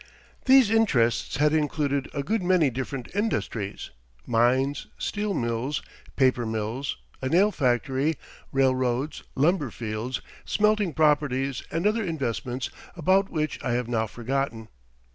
These interests had included a good many different industries, mines, steel mills, paper mills, a nail factory, railroads, lumber fields, smelting properties, and other investments about which I have now forgotten.